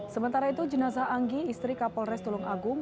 sementara itu jenazah anggi istri kapolres tulung agung